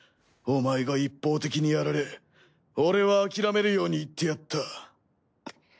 お前が一方的にやられ俺は諦めるように言ってやった。